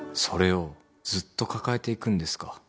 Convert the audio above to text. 「それをずっと抱えていくんですか？」